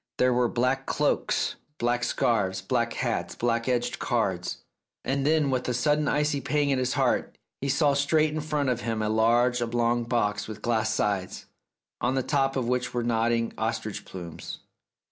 There were black cloaks, black scarves, black hats, black edged cards. ... And then, with a sudden icy pang at his heart, he saw straight in front of him a large oblong box with glass sides, on the top of which were nodding ostrich plumes.